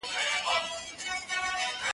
زه اوس مکتب ته ځم؟!